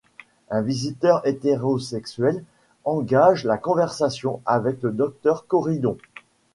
Un Visiteur hétérosexuel engage la conversation avec le docteur Corydon.